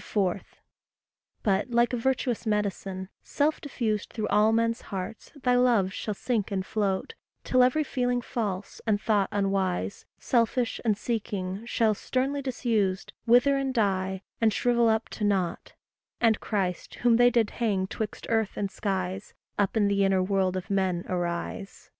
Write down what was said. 4. But, like a virtuous medicine, self diffused Through all men's hearts thy love shall sink and float; Till every feeling false, and thought unwise, Selfish, and seeking, shall, sternly disused, Wither, and die, and shrivel up to nought; And Christ, whom they did hang 'twixt earth and skies, Up in the inner world of men arise.